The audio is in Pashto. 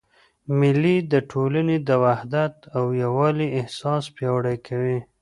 مېلې د ټولني د وحدت او یووالي احساس پیاوړی کوي.